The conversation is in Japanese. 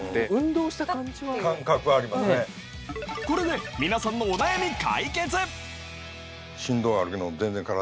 これで皆さんのお悩み解決！